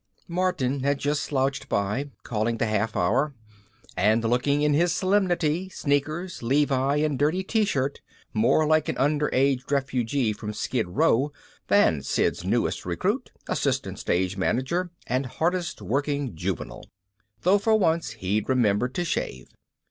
Martin had just slouched by calling the Half Hour and looking in his solemnity, sneakers, levis and dirty T shirt more like an underage refugee from Skid Row than Sid's newest recruit, assistant stage manager and hardest worked juvenile though for once he'd remembered to shave.